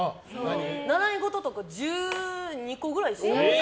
習い事とか、１２個くらいしてた。